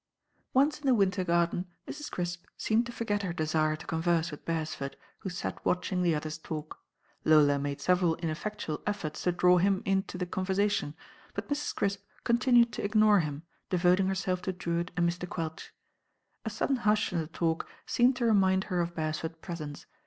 Once in the winter garden, Mrs. Crisp seemed to forget her desire to converse with Beresford, who sat watching the others talk. Lola niadt several ineffectual efforts to draw him into the conversation; but Mrs. Crisp continued to ignore him, devoting herself to Drewitt and Mr. Quelch. A sudden hush in the talk seemed to remind her of Beresford's presence.